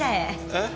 えっ？